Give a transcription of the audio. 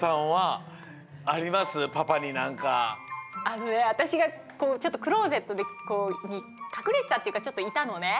あのねわたしがちょっとクローゼットでこうかくれてたっていうかちょっといたのね。